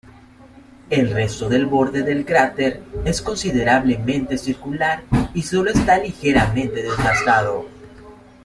El resto del borde del cráter es considerablemente circular y sólo está ligeramente desgastado.